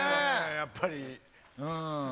やっぱりうん。